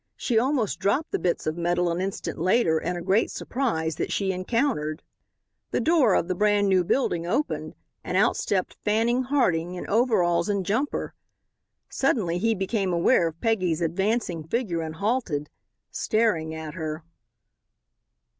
She almost dropped the bits of metal an instant later in a great surprise that she encountered. The door of the brand new building opened and out stepped Fanning Harding, in overalls and jumper. Suddenly he became aware of Peggy's advancing figure and halted, staring at her.